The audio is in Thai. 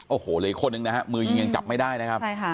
โอ้โหเหลืออีกคนนึงนะฮะมือยิงยังจับไม่ได้นะครับใช่ค่ะ